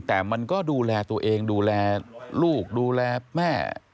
แต่มันก็ดูแลตัวเองดูแลลูกดูแลแม่